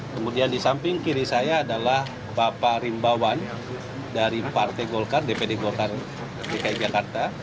kemudian di samping kiri saya adalah bapak rimbawan dari partai golkar dpd golkar dki jakarta